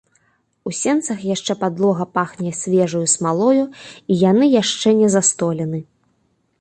У сенцах яшчэ падлога пахне свежаю смалою, і яны яшчэ не застолены.